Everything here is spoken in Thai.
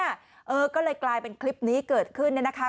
เออก็เลยกลายเป็นคลิปนี้เกิดขึ้นเนี่ยนะคะ